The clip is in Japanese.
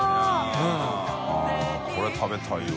◆舛これ食べたいわ。